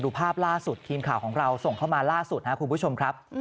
ภาพล่าสุดทีมข่าวของเราส่งเข้ามาล่าสุดครับคุณผู้ชมครับ